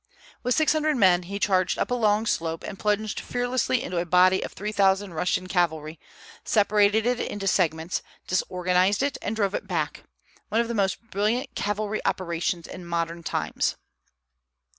With six hundred men he charged up a long slope, and plunged fearlessly into a body of three thousand Russian cavalry, separated it into segments, disorganized it, and drove it back, one of the most brilliant cavalry operations in modern times.